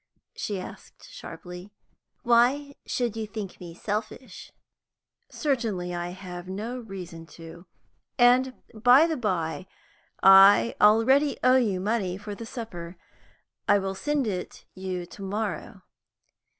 she asked sharply. "Why should you think me selfish?" "Certainly I have no reason to. And by the by, I already owe you money for the supper. I will send it you to morrow."